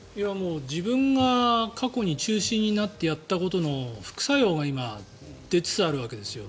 自分が過去に中心になってやったことの副作用が今、出つつあるわけですよ。